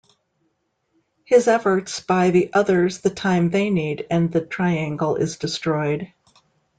His efforts buy the others the time they need and the Triangle is destroyed.